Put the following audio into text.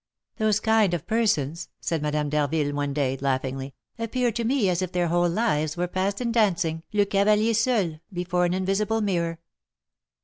"Those kind of persons," said Madame d'Harville one day, laughingly, "appear to me as if their whole lives were passed in dancing 'Le Cavalier Seul' before an invisible mirror."